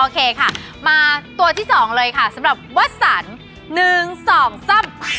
โอเคค่ะมาตัวที่สองเลยค่ะสำหรับวัดสรร